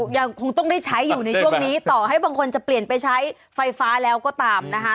ยังคงต้องได้ใช้อยู่ในช่วงนี้ต่อให้บางคนจะเปลี่ยนไปใช้ไฟฟ้าแล้วก็ตามนะคะ